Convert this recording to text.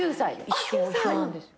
一緒なんですよ。